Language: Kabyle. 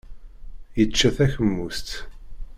Yečča takemust.